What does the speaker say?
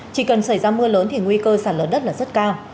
chỉ cần xảy ra mưa lớn thì nguy cơ sạt lở đất là rất cao